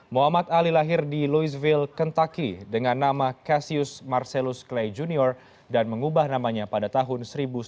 muhammad ali lahir di louisville kentucky dengan nama cassius marcellus clay jr dan mengubah namanya pada tahun seribu sembilan ratus enam puluh empat